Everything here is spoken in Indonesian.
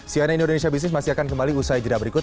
cnn indonesia business masih akan kembali usai jeda berikut